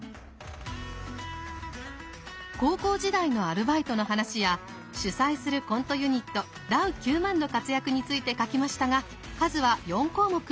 高校時代のアルバイトの話や主宰するコントユニットダウ９００００の活躍について書きましたが数は４項目。